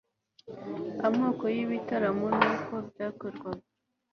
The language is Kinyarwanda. amoko y'ibitaramo n'uko byakorwaga